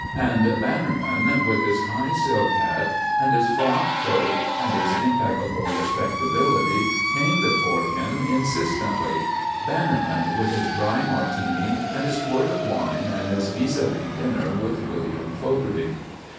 And Bannerman, with his high silk hat and his frock coat and his impeccable respectability, came before him insistently; Bannerman, with his dry Martini and his quart of wine and his vis a vis dinner with "William" Fogarty.